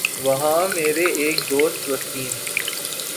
وہاں میرے ایک دوست وسیم